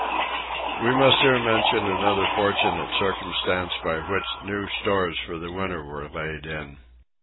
We must here mention another fortunate circumstance by which new stores for the winter were laid in.